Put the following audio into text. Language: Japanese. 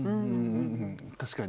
確かに。